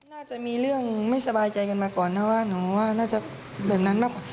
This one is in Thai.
น่าจะมีเรื่องไม่สบายใจกันมาก่อนนะว่าหนูว่าน่าจะแบบนั้นมากกว่า